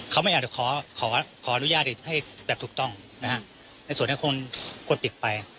เขาไม่อาจจะขอขออนุญาตให้แบบถูกต้องนะฮะในส่วนนี้คงกดปิดไป